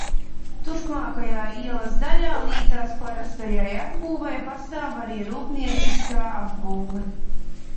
Turpmākajā ielas daļā līdzās parastajai apbūvei pastāv arī rūpnieciskā apbūve.